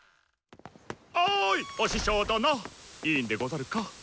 おいお師匠殿いいんでござるか？